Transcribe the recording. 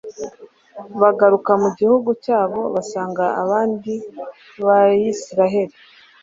bagaruka mu gihugu cyabo basanga abandi bayisraheli